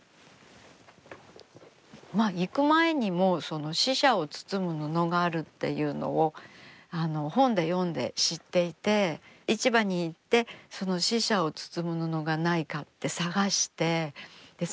行く前にもう死者を包む布があるっていうのを本で読んで知っていて市場に行ってその死者を包む布がないかって探してそ